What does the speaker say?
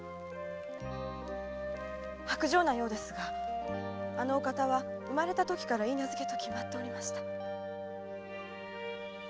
薄情なようですがあのお方は生まれたときから許婚と決まっておりました。